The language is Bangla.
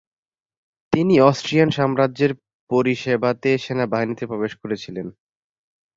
তিনি অস্ট্রিয়ান সাম্রাজ্যের পরিষেবাতে সেনাবাহিনীতে প্রবেশ করেছিলেন।